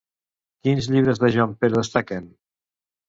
Quins llibres de Juanpere destaquen?